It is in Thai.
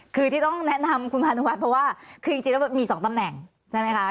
คือที่ต้องแนะนำคุณพานุวัฒน์เพราะว่าคือจริงแล้วมี๒ตำแหน่งใช่ไหมคะ